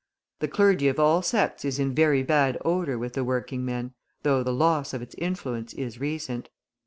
The clergy of all sects is in very bad odour with the working men, though the loss of its influence is recent.